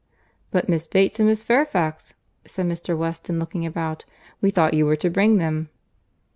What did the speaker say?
"But Miss Bates and Miss Fairfax!" said Mr. Weston, looking about. "We thought you were to bring them."